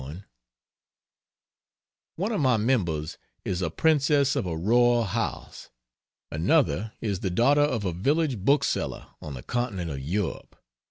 One of my Members is a Princess of a royal house, another is the daughter of a village book seller on the continent of Europe.